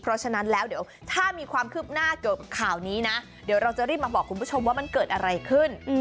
เพราะฉะนั้นแล้วเดี๋ยวถ้ามีความคืบหน้าเกี่ยวกับข่าวนี้นะเดี๋ยวเราจะรีบมาบอกคุณผู้ชมว่ามันเกิดอะไรขึ้น